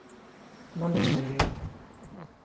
Non descolguei;